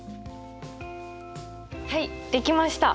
はいできました！